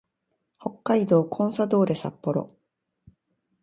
北海道コンサドーレ札幌